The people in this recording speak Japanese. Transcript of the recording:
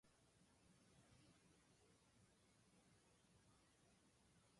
娘へ、貴女の幸せだけを祈っています。